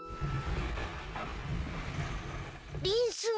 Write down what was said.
リンスが。